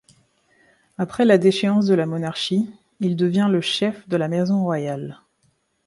Après la déchéance de la monarchie, il devient le chef de la maison royale.